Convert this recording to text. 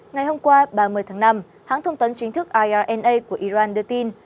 ngày hôm qua ba mươi tháng năm hãng thông tấn chính thức irna của iran đưa tin